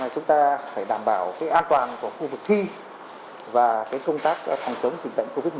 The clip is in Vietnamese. chúng ta phải đảm bảo an toàn của khu vực thi và công tác phòng chống dịch bệnh covid một mươi chín